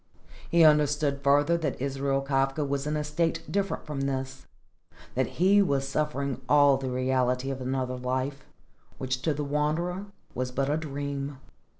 He understood further that Israel Kafka was in a state different from this, that he was suffering all the reality of another life, which to the Wanderer was but a dream.